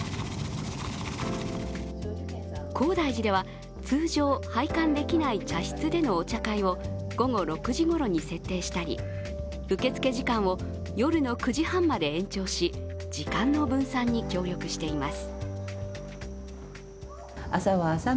高台寺では通常、拝観できない茶室でのお茶会を午後６時ごろに設定したり、受付時間を夜の９時半まで延長し時間の分散に協力しています。